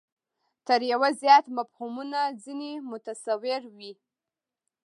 تر یوه زیات مفهومونه ځنې متصور وي.